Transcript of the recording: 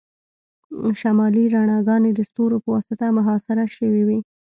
شمالي رڼاګانې د ستورو په واسطه محاصره شوي وي